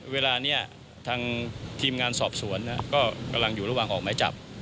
เวลานี้ทางทีมงานสอบสวนก็กำลังอยู่ระหว่างออกไม้จับ